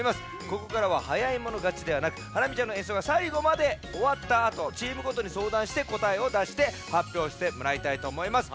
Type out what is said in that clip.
ここからははやいものがちではなくハラミちゃんのえんそうがさいごまでおわったあとチームごとにそうだんしてこたえをだしてはっぴょうしてもらいたいとおもいます。